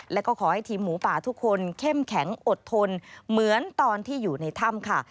แล้วก็ขอให้ทีมหมูป่าทุกคนเข้มแข็งอดทนเหมือนตอนที่อยู่ในถ้ำค่ะ